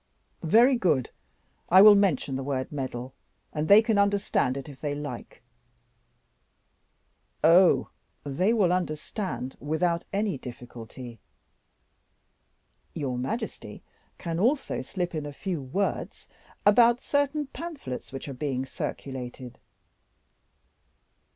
"Very good! I will mention the word 'medal,' and they can understand it if they like." "Oh! they will understand without any difficulty. Your majesty can also slip in a few words about certain pamphlets which are being circulated."